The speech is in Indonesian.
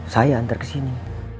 saya antar kesini